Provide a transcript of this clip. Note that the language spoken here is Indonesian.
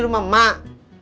lo di rumah emak